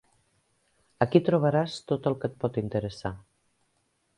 Aquí trobaràs tot el que et pot interessar.